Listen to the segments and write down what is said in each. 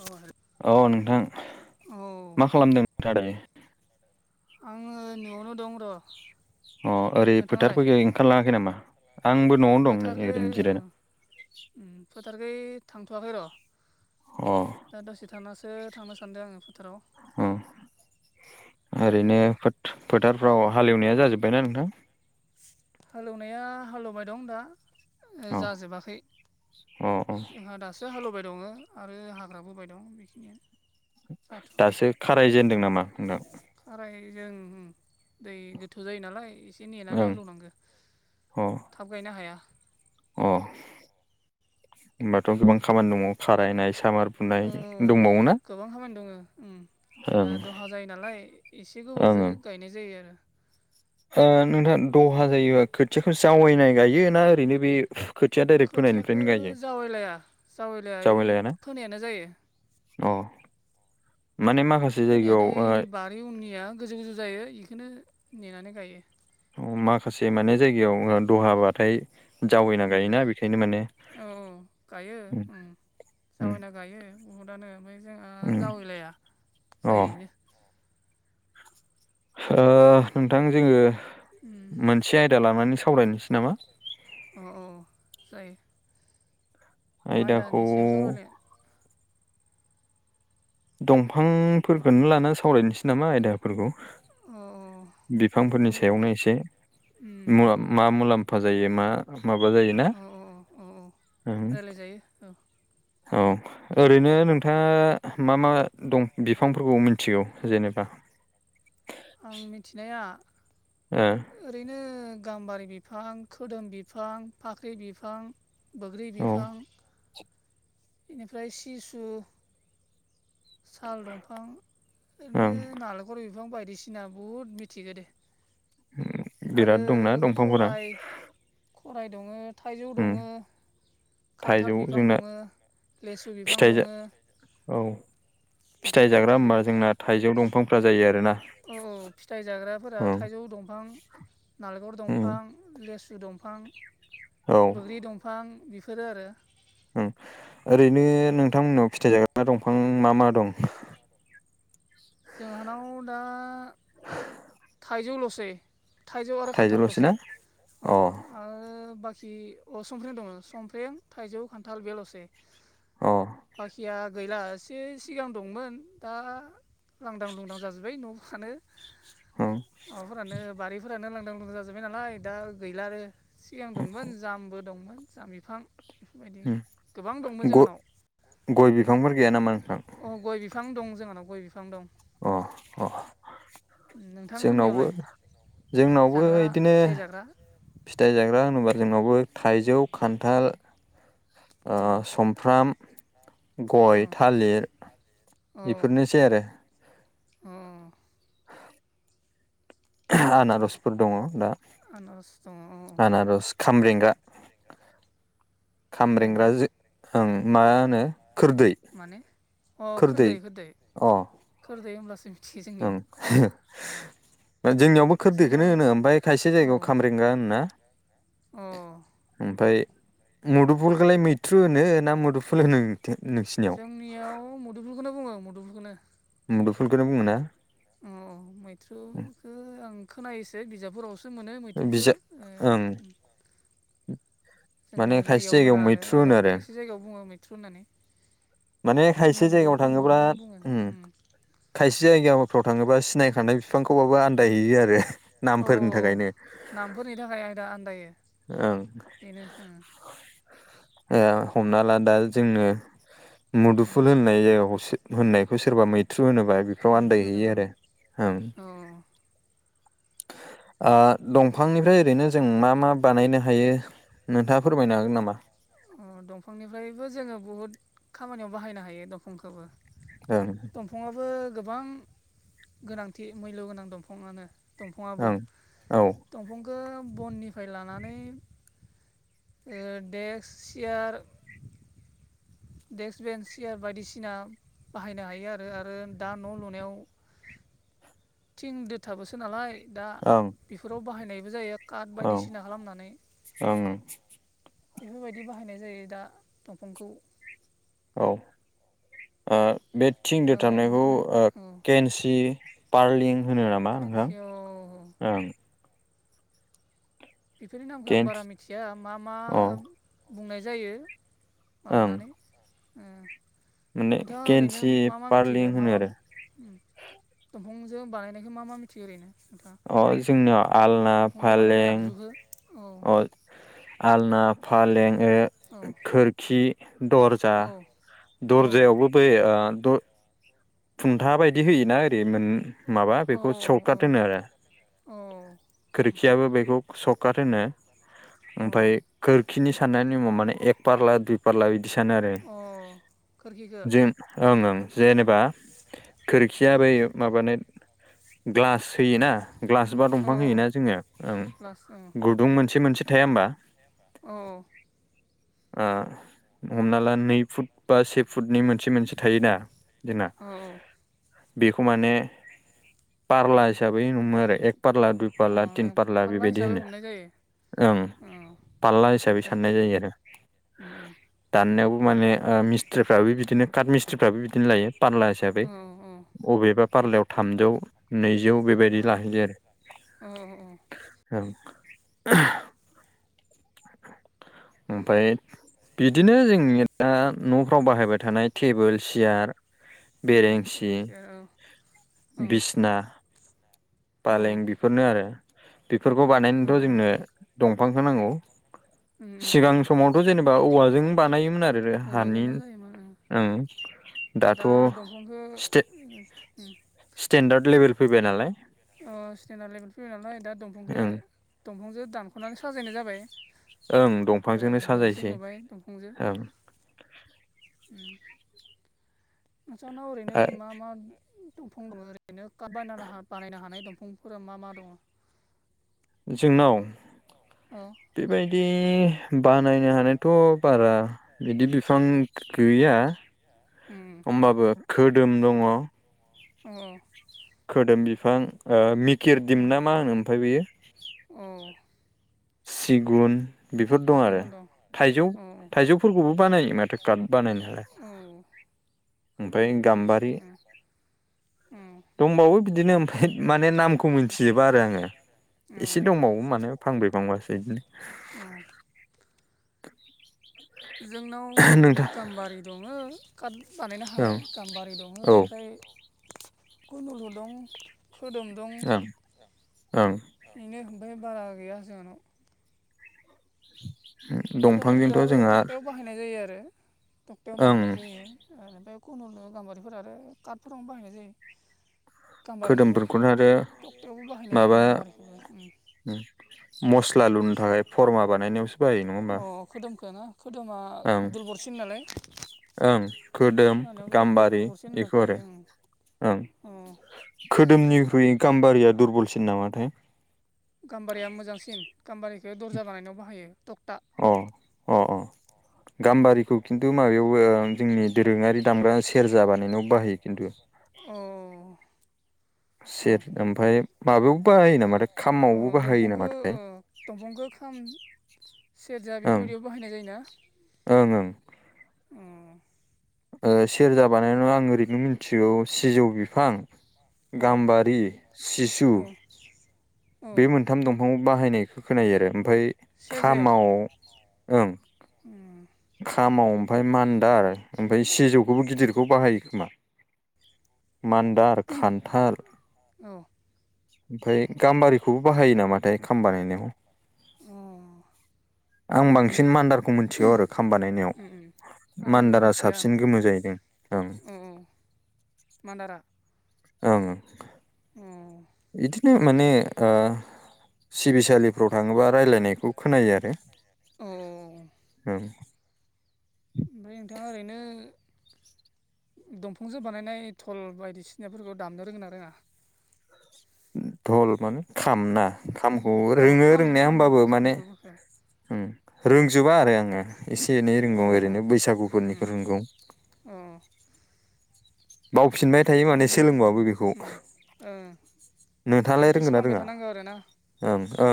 औ। औ नोंथां औ मा खालामदों नोंथाङा दायो। आङो न'आवनो दं र'। अ ओरै नोंथाङालाय फोथारफोरखौ ओंखारलाङाखै नामा आंबो न'आवनो दं नै ओरैनो जिरायना। उम फोथारखै थांथ'वाखै र' अ‌ दा दसे थानासो थांनो सानदों आङो फोथाराव औ ओमफ्राय ओरैनो फोत फोथारफ्राव हालेवनाया जाजोब्बायना नोंथां? हालौवनाया हालेवबाय दं दा। अ जाजोबाखै अ अ जोंहा दासो हालेबाय दङ आरो हाग्राबाय दं बेखिनियानो जाथ'वाखै दासो खारायजेनदों नामा नोंथां? खाराय जों उम दै गोथौ जायो नालाय एसे नेनानै ओं हालौवनांगौ अ थाब गायनो हाया। अ होनोमबाथ' गोबां खामानि दङ खारायनाय सामार बुनाय औ औ दंबावोना? गोबां खामानि दङ उम ओं जोंना दलहा जायो नालाय एसे ओं गोबावजों ओं गायनाय जायो आरो। ओ नोंथां दहा जायोबा खोथियाखौ जावैनाय गायो ना ओरैनो बे खोथिया डाइरेक्ट खोथियाखौ फोनायनिफ्रायनो गायो जावैलाया जावैलाया जावैलायाना? फोनायानो जायो। अ माने माखासे जायगायाव फोनायानो ओ ओइ बारि उननिया गोजौ गोजौ जायो बेखौनो नेनानै गायो। माखासे माने जायगायाव दहाबाथाय जावैना उम गायोना बेखायनो माने औ औ गायो उम उम जावैना गायो बहुदानो ओमफ्राय जोंहा उम जावैलाया अ जायैनो ओ नोंथां जोङो उम मोनसे आयदा लानानै सावरायनोसै नामा? अ औ जायो। मा आयदाखौ आयदानि सायाव सावरायनो? दंफांफोरखौनो लानानानै सावरायनोसै नामा आयदाफोरखौ। अ अ बिफांफोरनि सायावनो एसे उम मा मुलाम्फा जायो मा? माबा जायोना अ औ औ रायलायजायो औ औ ओरैनो नोंथाङा मा मा दं बिफांफोरखौ मिथिगौ जेनेबा? आं मिथिनाया ओ ओरैनो गाम्बारि बिफां खोदोम बिफां फाख्रि बिफां बैग्रि औ बिफां बेनिफ्राय सिसु साल दंफां ओं ओरैनो नालेंखर बिफां बायदिसिना बहुद मिथिखो दे। उम आरो खराइ खराइ दङ थाइजौ उम दङ। खान्थाल थाइजौ बिफां जोंना दङ लेसु बिफां दङ फिथाइ औ फिथाइ बेखिनिखौ जाग्रा मिथिगौ होनोबा जोंना थाइजौ दंफांफ्रा जायो आरो ना। औ औ फिथाइ जाग्राफोरा थाइजौ दंफां नालेंखर उम दंफां लेसु दंफां औ बैग्रि दंफां बेफोरो आरो। ओरैनो नोंथांमोननाव फिथाइ जाग्रा दंफां मा मा दं? जोंहानाव दा थाइजौ लसै थाइजौ आरो खान्थाल थाइजौल'सै लसै ना अ आरो बाखि अ संफ्र्रें दङ' संफ्र्रें थाइजौ खान्थाल बेलसै। अ बाखिया गैलासे सिगां दंमोन दा लांदां लुंदां जाजोब्बाय न' फानो उम माबाफोरानो बारिफोरानो लांदां लुंदां जाजोब्बाय नालाय दा गैला आरो सिगां दंमोन जामबो दंमोन जाम बिफां। बेफोरबायदि उम गोबां दंमोन ग- जोंहानाव। गय बिफांफोर गैया नामा नोंथां अ गय बिफां दं जोंहानाव गय बिफां दं। अ अ। जोंनावबो नोंथांमोननियावलाय जोंनावबो जाग्रा बिदिनो फिथाइ जाग्रा फिथाइ जाग्रा होनोब्ला जोंनावबो थाइजौ खान्थाल ओ अ सुमफ्राम अ गय, थालिर बेफोरनोसै आरो अ। आनारसफोर दंङ' दा आनारस दङ अ आनारज, खामरेंगा खामब्रेंगा खाम्रेंग्रा ओं मा होनो खोरदै माने अ खोरदै खोरदै अ खोरदै होमब्लासो ओं। जोंनियावबो खोरदैखौनो नोंसोरनियाव होनो ओमफ्राय खायसे अ जायगायाव खारेंगा होनोना? अ। ओमफफ्राय मुदुफुलखौलाय मैथ्रु होनो ना मुदुफुल होनो नोंसिनियाव आंनियाव मदुफलखौनो बुङो आं मदुफलखौनो मुदुफुलखौनो बुङोना? अ मैथ्रुखौ आं खोनायोसो बिजाबफोराव सो मोनो मैथ्रुखौ उ [inaudible] जोंनाव जायगायाव होना आरो खायसे जायगायाव बुङो मैथ्रु होननानै माने जोंनियाव खायसे जायगायाव मदलफोर थाङोब्ला उम मदलफोरखौनो बुङो खायसे जायगाफ्राव जायगायाव सिनायखानाय थाङोबा बिफांखौबाबो सिनायखानाय आन्दायहैयो आरो जायगाखौबो आनदायहैसै नामफोरनि थाखायनो आरो नामफोरनि थाखाय आं दा आदायो। ओं। बेनोखा हमना ला दा जोंङनो मुदुफुल होननाय जायगायाव हसे होननायखौ सोरबा मैथ्रु होनोबा बेफोराव मैथ्रु होनो आन्दायहैयो आरो औ ओं आ। दंफांनिफ्राय ओरैनो जों मा मा बानायनो हायो नोंथाङा फोरमायनो हागोन नामा? अ दंफांनिफ्रायबो जोङो बहुद खामानियाव बाहायनो हायो दंफांखौबो औ। दंफाङआो गोबां गोनांथि मुल्य गोनां दंफाङानो दंफाङाबो औ दंफांखौ बननिफ्राय लानानै डेक्स चेयार देक्स बेन्स सियार बायदिसिना बाहायनो हायो आरो आरो दा न' लुनायाव थिं दोथाबोसो नालाय दा ओं बेफोराव बाहायनायबो जायो काट औ बायदिसिना खालामनानै ओं बेफोरबायदि बाहायनाय जायो दा दंफांखौ औ बे थिं दोथाबनायखौ केन्सि पारलिं होनो नामा ओ केन्सिअ ओं। बेफोरनि नामखौ आं केन्स बारा मिथिया मा मा अ बुंनाय जायो। ओं माबानै माने नोंथाङ ओरैनो केन्सि मा मा मिथिगो पारलिं मा होनो मा आरो दंफांजो बानायनायखौ मा मा मिथियो ओरैनो नोंथाङा अ जोंनियाव आलना दंफांजो बानायनाय आगजु फालें [unintelligible] अ आलना, फालें, औ खोरखि, दरजा, औ दरजा दर्जायावबो बै द खुंथा बायदि होयोना ओरै माबा औ बेखौ औ सौकाट होनो आरो। औ। ओमफ्राय खोरखियाबो बेखौ सकट होनो अ ओमफ्राय खोरखिनि साननायनि नेमा माने एक पारला दुय फारला बिदि सानो आरो अ खोरखिखौ जों ओं ओं जेनेबा खोरखिया बै माबानो ग्लास होयोना ग्लास बा औ दंफां औ होयोना जोङो ओं ग्लास औ गुदुं मोनसे मोनसे थाया होमबा? औ। हमना ला नै फुट बा सेसु फुडनि मोनसे मोनसे थायोना जोंना औ बेखौ माने पारला हिसाबै हमो आरो एक फारला दुइ अ पारला तिन ए पारला फारला बेबादि हिसाबै होनो हमनाय जायो ओं औ फारला हिसाबै साननाय जायो आरो। ओम। दाननायावबो मानेह मिस्ट्रिफ्राबो बिदिनो काट मिस्ट्रिफ्राबो बिदिनो लायो पारलासे हिसाबै उम औ बबेबा पार्लायाव थामजौ नैजौ बेबायदि लाहैयो आरो अ अ। औ ओमफफ्राय बिदिनो जोंनि दा न'फ्राव बाहायबाय थानाय टेबोल सियार उम बेरेंसि टेबोल चेयार औ औ बिसना, औ फालें बेफोरनो आरो बेफोरखौ उम बानायनोथ' जोंनो दंफांखौ नांगौ। सिगां उम समावथ' जेनेबा औवाजों बानायोमोन आरो हानि औवाजोंनो जायोमोन ओं दाथ' दा दंफांखौ स्टेन्डार्ड लेभेल फैबाय नालाय। स्टेन्डार्ड लेभेल फैयो नालाय दा दंफांखौ ओं दंफांजो दानख'नानै साजायनाय जाबाय। ओं ओ दंफांजोंनो मोजांसिन साजायसै नुबाय दंफां जों ओं उम नोंस्रानाव ओरैनो आ मा मा दंफां दङ ओरैनो कार्ट बानाय बानायनो हानाय नङा फोर मा मा दङ जोंनाव अ बेबादि बानायनो हानायाथ' बारा बिदि बिफां गैया। अ होमबाबो खोदोम दङ। अ खोदोम बिफां मिकिर दिम ना मा होनो ओमफ्राय बेयो औ। सिगुन बेफोर दं आरो थाइजौ औ थाइजौफोरखौबो बानायो माथो कार्ट बानायनायालाय औ ओमफाय खोनायो एसे एसे गाम्बारि औ दंबावो बिदिनो ओमफ्राय माने नामखौ मिथिजोबा आरो आङो एसे दंबावो माने फांब्रै। फांबासो जोंनाव नोंथां गाम्बारि दङो बानायनो हानाय ओं गाम्बारि दङ औ ओमफ्राय खुनुलु दं। खोदोम दं ओं ओं बेनो ओमफ्राय बारा गैया जोंनाव खोदोमफोरखौ दंफांजोंथ' आरो जोंहा थखथायाव बाहायनाय जायो आरो क्टायावनो ओं बाहायनाय जायो। ओमफ्राय खुनुु गाम्बारिफोर आरो कार्टफोरावनो बाहायनाय जायो। गाम्बारिखौबो खोदोमफोरखौनो आरो क्टायावबो बाहायनाय माबा जायो गाम्बारिखौबो मस्ला लुनो थाखाय फरमा बानायनायावसो बाहायो नङा होमबा अ खोदोमखो ना खोदोमा ओं दुरबलसिन नालाय। ओं खोदोम खोनानायाव खोदोमखौ गाम्बारि दुलबरसिन होनना बेखौ आरो। खोनायो ओं अ खोदोमनिख्रुइ गाम्बारिया दुरबलसिन नामाथाय? गाम्बारिया मोजांसिन गाम्बारिखौ दर्जा बानायनायाव बाहायो टकथा। अ अ अ। गाम्बारिखौ खिन्थु माबायाव जोंनि दोरोङारि दामग्रा सेरजा बानायनायाव बाहायो खिन्थु अ। औ सेर ओमफ्राय माबायाव बायो नामा दंफांखौ दंफांखौ खाम सेरजा ओं बेफोरबायदियाव बाहायनाय जायो ना। ओं ओंं। अ। ओ सेरजा बानायनानै आं ओरैनो मिथिगौ। सिजौ बिफां औ गाम्बारि सिसु औ औ बे मोन थाम दंफां बाहायनायखौ खोनायो आरो ओमफ्राय सेरजायाव खामावआव ओं खामाव ओमफ्राय मान्दा आरो ओमफ्राय सिजौखौबो गिदिरखौ बाहायो खोमा। मान्दार खान्थाल औ। ओमफ्राय गाम्बारिखौबो बाहायो नामाथाय खाम बानायाव ओं। आं बांसिन मान्दार खौ मिथिगौ आरो खाम उम बानायनायाव आं मान्दारा मिथिया साबसिन माने गोमो जाहैदों ओं। औ औ मान्दारा ओं अ इदिनो माने ओ सिबिसालिफ्राव थाङोबा रायलायनायखौ खोनायो आरो औ ओमफ्राय औ। ओमफ्राय नोंथाङा ओरैनो दंफांजो बानायनाय धल बायदिसिनाफोरखौ दामनो रोंगोना रोङा? धल माने खाम ना खामखौ अ रोङो खाम रोंनाया खाम होनबाबो खाम माने धलफोरखौ होम रोंजोबा आरो आङो एसे एनै रोंगौ अ ओरैनो उम बैसागुफोरनिखौ रोंगौ। अ। बावफिनबाय थायो माने सोलोंबाबो बेखौ ओं प्रेक्टिस खालामबाय थानांगौ आरोना। ओं-ओं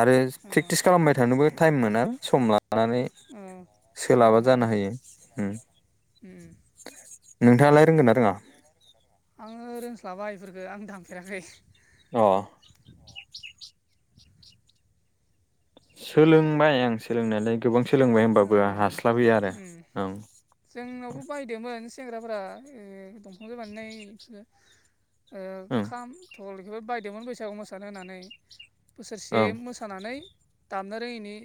आरो औ प्रेक्टिस खालामबाय थानोबो टाइम मोना सम लानानै औ सम सोलाबा मोना जानो होयो ओ। उम नोंथाङालाय रोंगोना रोङा? आङो रोंस्लाबा इफोरफोरखौ आं दांफेराखै। अ। सोलोंबाय आं सोलोंनायालाय गोबां सोलोंबाय औ होनोमबाबों औ हास्लाबोयो आरो उम ओं। जोंनावबो बायदोंमोन सेंग्राफोरा दंफांजो बानायनायफोरखो। ओ ओं खाम धल बेफोर बायदोंमोन बैसागु मोसानो होननानै बोसोरसे ओं मोसा सानानै दामनो रोङिनि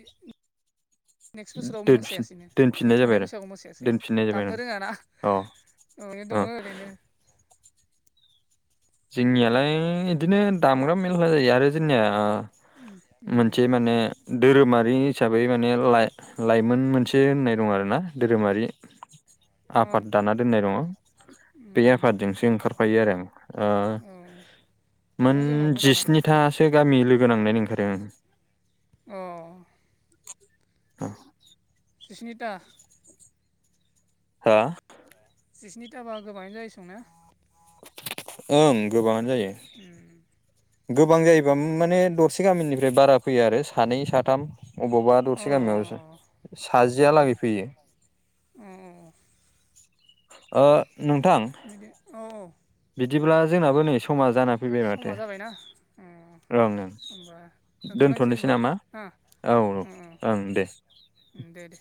नेक्स्ट बोसोराव दोनफिन मोसायासैनो नै दोनफिननाय जाबाय थांनाय आरो बैसागुआव मोसायासै दोनफिननाय जाबाय ओं दामनो रोङाना। अ अ यि ओ दङ ओरैनो जोंनियालाय गदिनो दामग्रा मेल्ला जायो आरो जोंनिया। उम उम मोनसे माने। धोरोमारि हिसाबै माने ला लाइमोन मोनसे होननाय दं आरोना धोरोमारि अ आफाद दाना दोननाय दङ उम बे आफादजोंसो ओंखारफायो आरो आं। ओ अ। मोन जिस्निथासो गामि लोगो नांनायनो ओंखारो ओं। अ। [inaudible] जिस्निता हा जिस्निथाबा गोबाङानो जायो संनो ओं गोबाङानो जायो ओम गोबां जायोबाबो माने दरसे गामिनिफ्राय बारा फैया आरो सानै साथाम अबावबा अ दरसे गामियाव सा जिया अ लागै फैयो अ ओ नोंथां बिदि औ औ बिदिब्ला जोंनाबो नै समा जाना फै फैबाय समा माथो जाबायना ओं-ओं होमबा दोनथ'लायनोसै दोन्थ'नोसै होमबा नामा ना औ-औ ओं दे ओम दे दे